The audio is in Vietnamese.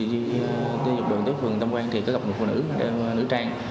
và đi dục đường tới phường tâm quang thì có gặp một phụ nữ nữ trang